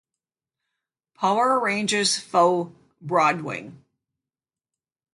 Power Rangers' foe Broodwing.